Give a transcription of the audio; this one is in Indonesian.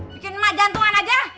bikin emak jantungan aja